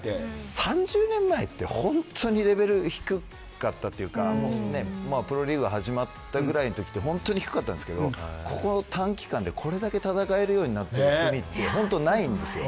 ３０年前ってほんとにレベル低かったというかプロリーグが始まったぐらいのときって本当に低かったんですけどこの短期間で、これだけ戦えるようになった国って本当にないんです。